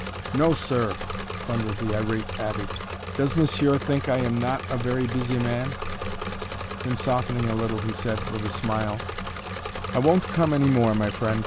"No, sir!" thundered the irate abbé. "Does monsieur think I am not a very busy man?" Then softening a little, he said, with a smile: "I won't come any more, my friend.